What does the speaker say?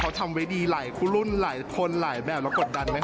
เขาทำไว้ดีไหล่ผู้รุ่นไหล่คนไหล่แบบแล้วกดดันไหมค่ะ